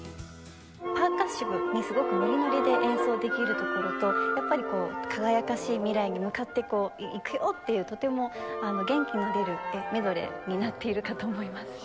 パーカッシブにすごくノリノリで演奏できるところとやっぱり輝かしい未来に向かって行くよ！っていうとても元気の出るメドレーになっているかと思います。